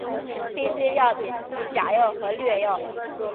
黑心药品即假药和劣药。